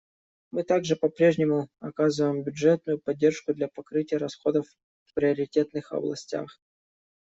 Мы также по-прежнему оказываем бюджетную поддержку для покрытия расходов в приоритетных областях.